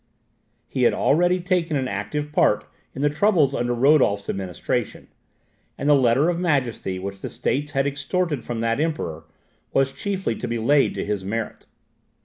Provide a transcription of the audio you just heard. He had already taken an active part in the troubles under Rodolph's administration; and the Letter of Majesty which the States had extorted from that Emperor, was chiefly to be laid to his merit.